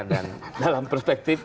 dan dalam perspektif